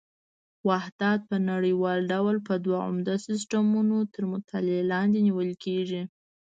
واحدات په نړیوال ډول په دوه عمده سیسټمونو تر مطالعې لاندې نیول کېږي.